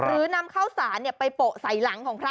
หรือนำข้าวสารไปโปะใส่หลังของพระ